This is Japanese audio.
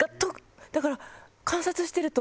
だから。